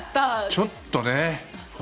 ちょっとね。